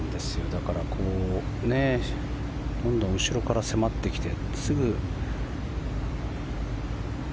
だからどんどん後ろから迫ってきて。